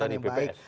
datanya tadi bps